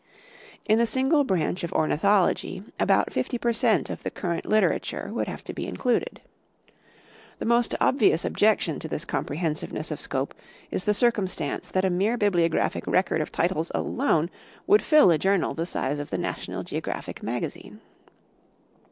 In the single branch of ornithology, about fifty per cent, of the current litera ture would have to be included. The most obvious objection to this comprehensiveness of scope is the circumstance that a mere bibliographic record of titles alone would fill a journal the size of the National Geographic Magazine.